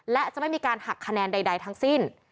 และจะไม่มีการหักคะแนนใดทั้งสิ้น